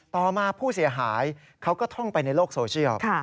ต่อมาผู้เสียหายเขาก็ท่องไปในโลกโซเชียล